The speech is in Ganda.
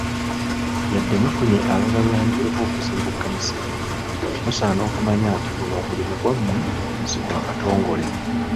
Yadde mufunye ababayambyeko okuzimba ekkanisa eno, musaana okumanya nti guno omulimu gwammwe si gwa Katongole.